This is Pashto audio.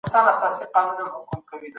تاسو باید د خوړو د مصؤنیت په اړه فکر وکړئ.